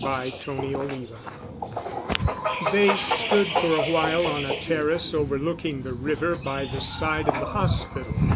Chapter XXXI They stood for a while on a terrace overlooking the river by the side of the hospital.